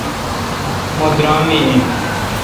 مہ درام می این